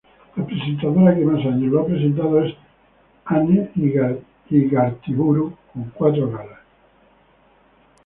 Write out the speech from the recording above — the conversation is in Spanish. La presentadora que más años lo ha presentado es Anne Igartiburu con cuatro galas.